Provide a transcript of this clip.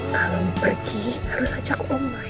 kalau pergi harus ajak oma ya